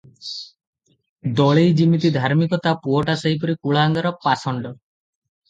ଦଳେଇ ଯିମିତି ଧାର୍ମିକ, ତା ପୁଅଟା ସେହିପରି କୁଳାଙ୍ଗାର, ପାଷଣ୍ଡ ।